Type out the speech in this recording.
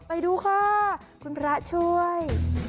ไปดูค่ะคุณพระช่วย